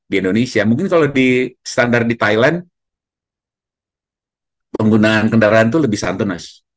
di indonesia mungkin kalau di standar di thailand penggunaan kendaraan itu lebih santun mas